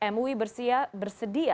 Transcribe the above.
mui bersedia menyiapkan sertifikasi